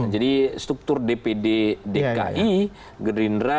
jadi struktur dpd dki gerindra